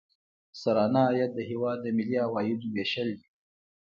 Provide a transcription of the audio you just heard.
سرانه عاید د هیواد د ملي عوایدو ویشل دي.